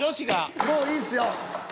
もういいっすよ。